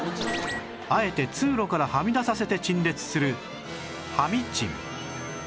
あえて通路からはみ出させて陳列するハミチン